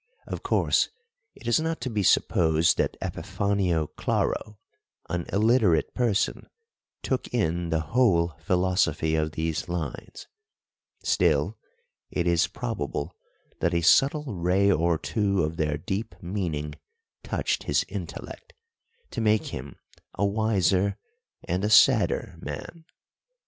Of course it is not to be supposed that Epifanio Claro, an illiterate person, took in the whole philosophy of these lines; still, it is probable that a subtle ray or two of their deep meaning touched his intellect, to make him a wiser and a sadder man.